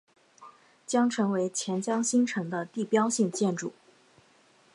将成为钱江新城的地标性建筑。